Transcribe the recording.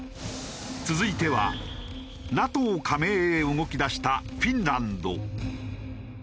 続いてはＮＡＴＯ加盟へ動き出したフィンランド。